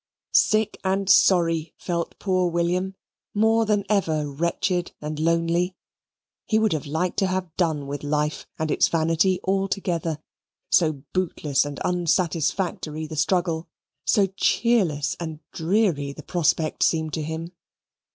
Sick and sorry felt poor William; more than ever wretched and lonely. He would like to have done with life and its vanity altogether so bootless and unsatisfactory the struggle, so cheerless and dreary the prospect seemed to him.